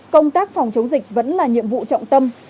công tác phòng chống dịch vẫn là nhiệm vụ trọng tâm